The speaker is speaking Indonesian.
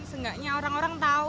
seenggaknya orang orang tahu